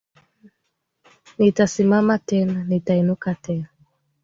Nitasimama tena, nitainuka tena